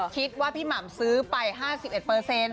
คิดว่าพี่หม่ำซื้อไปห้าสิบเอ็ดเปอร์เซนต์